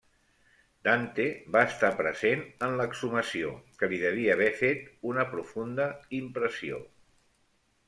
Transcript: Dante va estar present en l'exhumació, que li devia haver fet una profunda impressió.